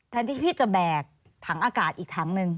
ที่พี่จะแบกถังอากาศอีกถังหนึ่ง